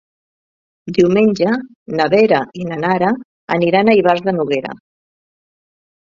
Diumenge na Vera i na Nara aniran a Ivars de Noguera.